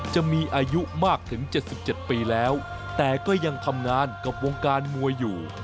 จะมีอายุมากถึง๗๗ปีแล้วแต่ก็ยังทำงานกับวงการมวยอยู่